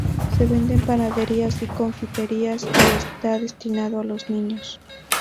Se vende en panaderías y confiterías y está destinado a los niños.